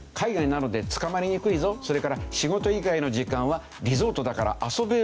それから仕事以外の時間はリゾートだから遊べるぞ。